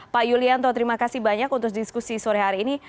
pak yulianto terima kasih banyak untuk diskusi sore hari ini